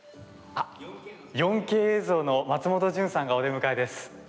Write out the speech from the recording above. ４Ｋ映像の松本潤さんがお出迎えです。